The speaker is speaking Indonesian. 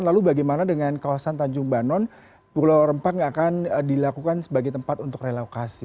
lalu bagaimana dengan kawasan tanjung banon pulau rempang nggak akan dilakukan sebagai tempat untuk relokasi